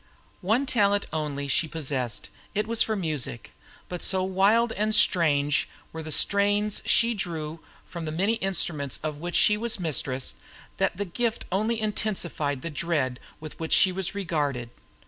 One talent only she possessed; it was for music; but so wild and strange were the strains she drew from the many instruments of which she was mistress, that the gift only intensified the dread with which she was regarded.